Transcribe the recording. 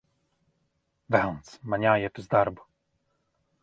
Velns, man jāiet uz darbu!